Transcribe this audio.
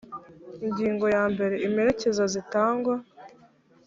ingingo ya mbere imperekeza zitangwa